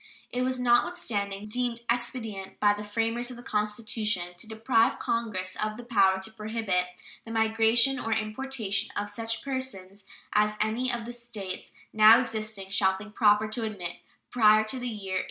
It was, notwithstanding, deemed expedient by the framers of the Constitution to deprive Congress of the power to prohibit "the migration or importation of such persons as any of the States now existing shall think proper to admit" "prior to the year 1808."